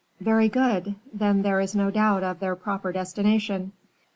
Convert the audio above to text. "Very good; then there is no doubt of their proper destination."